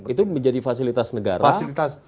itu menjadi fasilitas negara